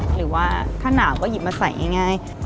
หรือว่าถ้าหนาวก็หยิบมาใส่ง่าย